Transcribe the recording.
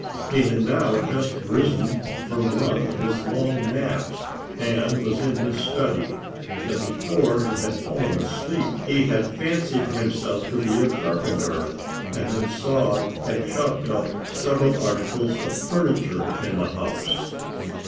He had now just risen from one of his long naps, and was in his study; that before he had fallen asleep he had fancied himself to be a carpenter, and had sawed and chopped up several articles of furniture in the house.